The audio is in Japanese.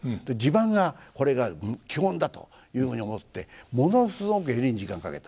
襦袢がこれが基本だというふうに思ってものすごく襟に時間をかけた。